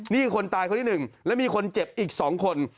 นี่คือคนตายคนที่หนึ่งแล้วมีคนเจ็บอีก๒คน